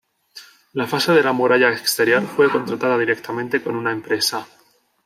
La fase de la muralla exterior, fue contratada directamente con una empresa.